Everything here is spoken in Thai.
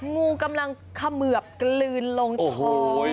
งูกำลังเขมือบกลืนลงท้อง